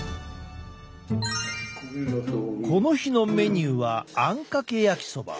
この日のメニューはあんかけやきそば。